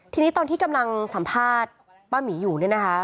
ทีนี้ตอนที่กำลังสัมภาษณ์ป้าหมีอยู่เนี่ยนะคะ